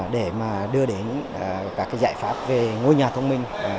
để mà đưa đến các giải pháp về ngôi nhà thông minh